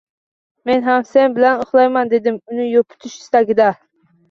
Men ham sen bilan uxlayman, dedim uni yupatish istagida